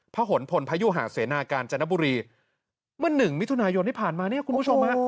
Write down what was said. พหนพลพายุหาเสนาการจณบุรีเมื่อ๑มิถุนายนที่ผ่านมานี่คุณผู้ชมครับ